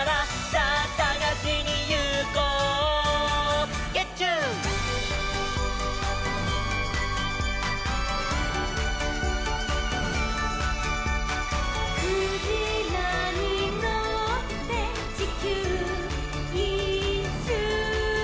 「さぁさがしにいこう」「ゲッチュー」「クジラにのってちきゅういっしゅう」